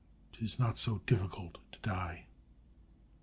'tis not so difficult to die.'